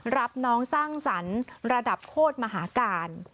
รับน้องสร้างสรรค์ระดับโคตรมหาการ